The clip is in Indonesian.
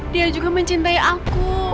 dia juga mencintai aku